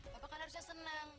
bapak kan harusnya seneng